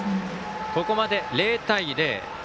ここまで０対０。